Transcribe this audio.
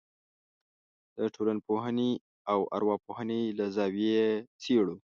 د ټولنپوهنې او ارواپوهنې له زاویې یې څېړو.